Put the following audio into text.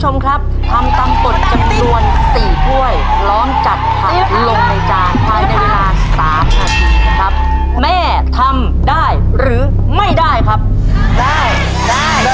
ทำตำต่อจำนวน๔ถ้วยร้องจัดผักลงในจาน